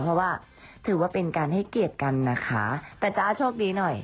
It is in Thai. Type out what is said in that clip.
เพราะว่าถือว่าเป็นการให้เกียรติกันนะคะแต่จ๊ะโชคดีหน่อย